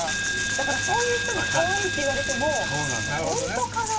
だからそういう人に可愛いって言われても本当かな？